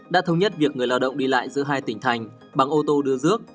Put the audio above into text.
đã thống nhất việc người lao động đi lại giữa hai tỉnh thành bằng ô tô đưa rước